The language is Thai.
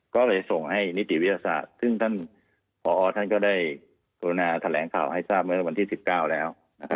ก็เลยส่งให้นิติวิทยาศาสตร์ซึ่งท่านผอท่านก็ได้กรุณาแถลงข่าวให้ทราบเมื่อวันที่๑๙แล้ว